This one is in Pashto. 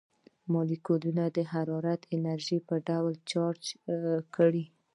مالیکولونه د حرارتي انرژۍ په ډول خارج کړو.